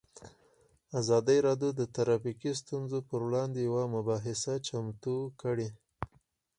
ازادي راډیو د ټرافیکي ستونزې پر وړاندې یوه مباحثه چمتو کړې.